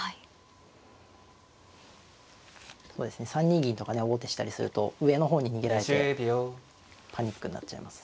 ３二銀とかね王手したりすると上の方に逃げられてパニックになっちゃいます。